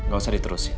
gak usah diterusin